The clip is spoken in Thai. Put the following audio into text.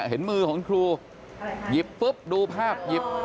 เห็นมือของครูหยิบปุ๊บดูภาพหยิบ